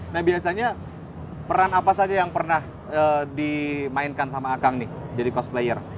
nah biasanya peran apa saja yang pernah dimainkan sama akang nih jadi cosplayer